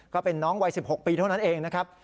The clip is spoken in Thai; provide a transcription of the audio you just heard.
ก็เป็นน้องวัย๑๖ปีเท่านั้นเองนะครับ